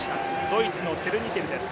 ドイツのツェルニケルです。